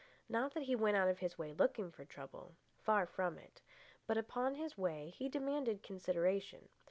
Not that he went out of his way looking for trouble. Far from it. But upon his way he demanded consideration.